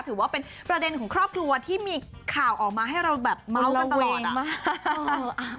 ถือว่าเป็นประเด็นของครอบครัวที่มีข่าวออกมาให้เราแบบเมาส์กันตลอดอ่ะ